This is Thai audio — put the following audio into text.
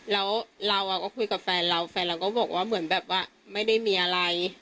แล้วเราก็คุยกับแฟนเราแฟนเราก็บอกว่าไม่ได้มีอะไร